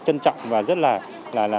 trân trọng và rất là